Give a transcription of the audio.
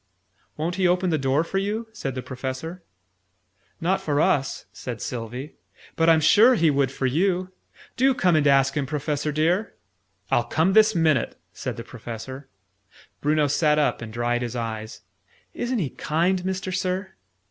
"Won't he open the door for you?" said the Professor. "Not for us," said Sylvie: "but I'm sure he would for you. Do come and ask him, Professor dear!" "I'll come this minute!" said the Professor. Bruno sat up and dried his eyes. "Isn't he kind, Mister Sir?"